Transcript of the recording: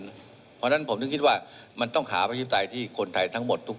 เพราะฉะนั้นผมถึงคิดว่ามันต้องหาประชาธิปไตยที่คนไทยทั้งหมดทุกคน